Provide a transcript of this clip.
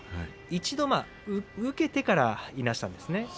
一度は受けてからいなしたんですね。